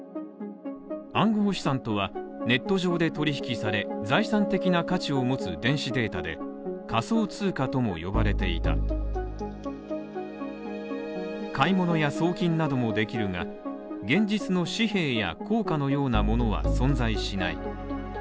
暗号資産とは、ネット上で取引され、財産的な価値を持つ電子データで仮想通貨とも呼ばれていた買い物や送金などもできるが、現実の紙幣や硬貨のようなものは存在しない。